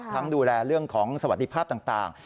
ดูแลเรื่องของสวัสดิภาพต่าง